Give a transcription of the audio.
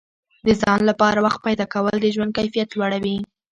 د ځان لپاره وخت پیدا کول د ژوند کیفیت لوړوي.